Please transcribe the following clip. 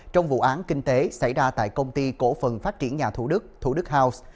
trong vụ án kinh tế xảy ra tại công ty cổ phần phát triển nhà thủ đức thủ đức house